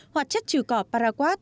hoạt chất trừ cỏ paraquat